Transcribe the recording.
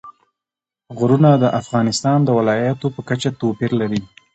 غرونه د افغانستان د ولایاتو په کچه توپیر لري.